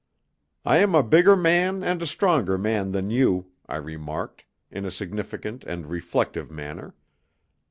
"I am a bigger man and a stronger man than you," I remarked, in a significant and reflective manner.